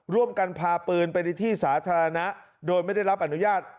ร่วมกันพาปืนไปในที่สาธารณะโดยไม่ได้รับอนุญาต